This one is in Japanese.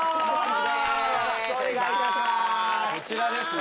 そちらですね